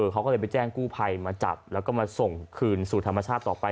เขาก็เลยไปแจ้งกู้ภัยมาจับแล้วก็มาส่งคืนสู่ธรรมชาติต่อไป